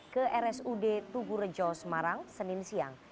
ke rsud tugurejo semarang senin siang